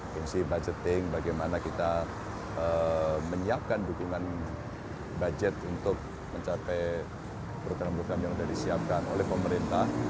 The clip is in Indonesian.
fungsi budgeting bagaimana kita menyiapkan dukungan budget untuk mencapai program program yang sudah disiapkan oleh pemerintah